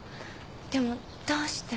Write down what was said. でもどうして？